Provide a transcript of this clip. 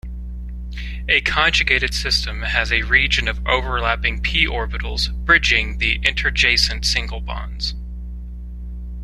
A conjugated system has a region of overlapping p-orbitals, bridging the interjacent single bonds.